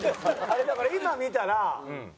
あれだから今見たらあれ誰？